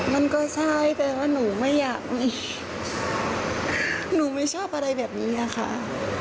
มันก็ใช่แต่ว่าหนูไม่อยากมีหนูไม่ชอบอะไรแบบนี้อะค่ะ